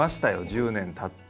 １０年たって。